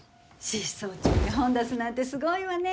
失踪中に本出すなんてすごいわね。